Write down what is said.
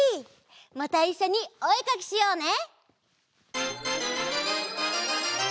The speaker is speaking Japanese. またいっしょにおえかきしようね！